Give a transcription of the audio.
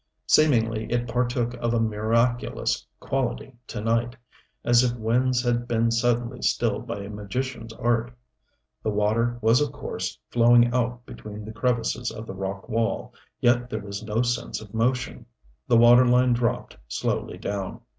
Seemingly it partook of a miraculous quality to night as if winds had been suddenly stilled by a magician's art. The water was of course flowing out between the crevices of the rock wall, yet there was no sense of motion. The water line dropped slowly down.